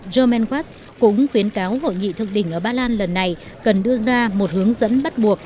german west cũng khuyến cáo hội nghị thực định ở bà lan lần này cần đưa ra một hướng dẫn bắt buộc